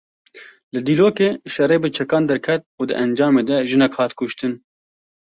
Li Dîlokê şerê bi çekan derket û di encamê de jinek hat kuştin.